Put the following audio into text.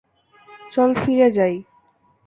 চল ফিরে যাই।